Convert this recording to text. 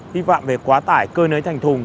vi phạm về quá tải cơ nới thành thùng